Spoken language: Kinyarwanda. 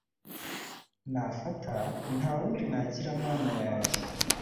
nafata, nta wundi nagira mana yanjye